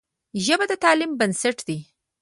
ژبه د تعلیم بنسټ دی.